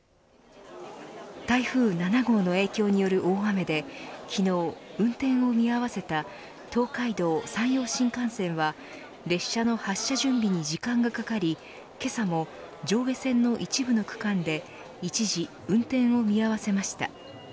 台風７号の影響による大雨で昨日、運転を見合わせた東海道・山陽新幹線は列車の発車準備に時間がかかりけさも上下線の一部の区間で一時運転を見合わせました。